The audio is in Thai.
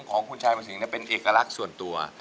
ของคุณชายประสิงห์เป็นเอกลักษณ์ส่วนตัว